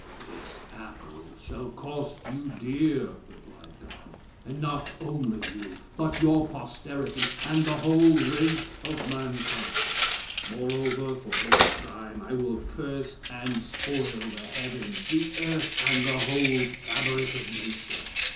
"This apple shall cost you dear, replied God, and not only you, but your posterity, and the whole race of mankind. Moreover, for this crime, I will curse and spoil the heavens, the earth, and the whole fabric of nature.